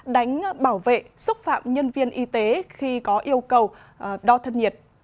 đánh bảo vệ xúc phạm nhân viên y tế khi có yêu cầu đo thân nhiệt